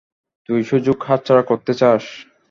তুই সুযোগ হাতছাড়া করতে চাস?